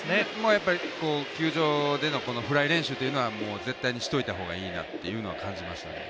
やっぱり球場でのフライ練習というのは絶対にした方がいいなというのは感じましたね。